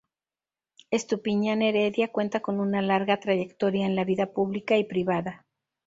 Estupiñán Heredia cuenta con una larga trayectoria en la vida pública y privada.